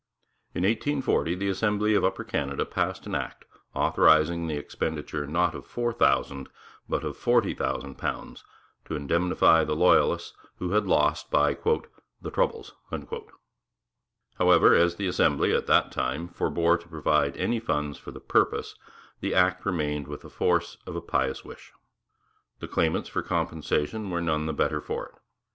In 1840 the Assembly of Upper Canada passed an Act authorizing the expenditure not of four thousand, but of forty thousand pounds, to indemnify the loyalists who had lost by the 'troubles.' However, as the Assembly, at the same time, forbore to provide any funds for the purpose, the Act remained with the force of a pious wish. The claimants for compensation were none the better for it.